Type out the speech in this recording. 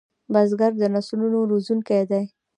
بزګر د نسلونو روزونکی دی